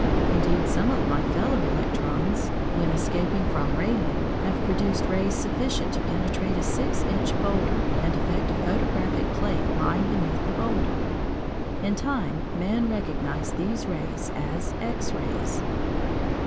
Indeed, some of my fellow electrons, when escaping from radium, have produced rays sufficient to penetrate a six inch boulder and affect a photographic plate lying beneath the boulder. In time man recognised these rays as X rays.